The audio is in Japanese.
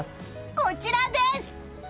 こちらです！